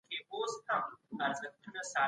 ځکه بل هېڅ ځای د هرات اقلیم نه لري.